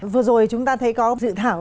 vừa rồi chúng ta thấy có dự thảo